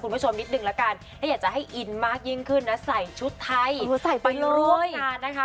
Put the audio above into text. คุณผู้ชมนิดนึงละกันถ้าอยากจะให้อินมากยิ่งขึ้นนะใส่ชุดไทยไปร่วมงานนะคะ